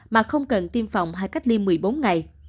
mà không cần tiêm phòng hay cách ly một mươi bốn ngày